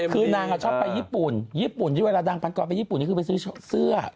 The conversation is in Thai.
คือนางชอบไปญี่ปุ่นญี่ปุ่นที่เวลานางพันกรไปญี่ปุ่นนี่คือไปซื้อเสื้อ